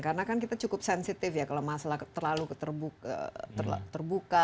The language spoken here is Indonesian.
karena kan kita cukup sensitif ya kalau masalah terlalu terbuka